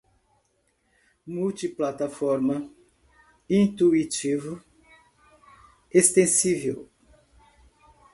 multiplataforma, intuitivo, extensível